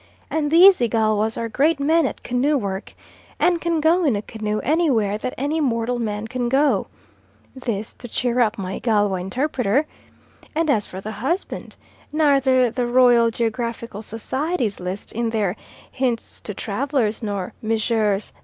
And these Igalwas are great men at canoe work, and can go in a canoe anywhere that any mortal man can go" this to cheer up my Igalwa interpreter "and as for the husband, neither the Royal Geographical Society's list, in their 'Hints to Travellers,' nor Messrs.